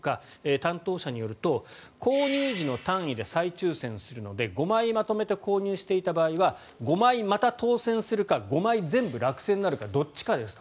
担当者によると購入時の単位で再抽選するので５枚まとめて購入していた場合は５枚また当選するか５枚全部落選になるかどっちかですと。